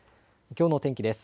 きょうの天気です。